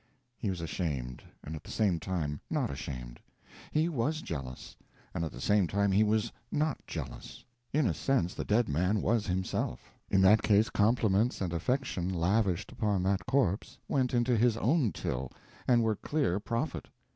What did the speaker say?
He was ashamed—and at the same time not ashamed. He was jealous—and at the same time he was not jealous. In a sense the dead man was himself; in that case compliments and affection lavished upon that corpse went into his own till and were clear profit.